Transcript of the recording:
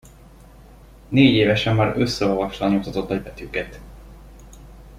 Négy évesen már összeolvasta a nyomtatott nagybetűket.